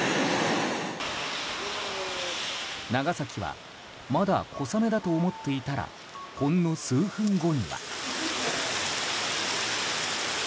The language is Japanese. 長崎はまだ小雨だと思っていたらほんの数分後には。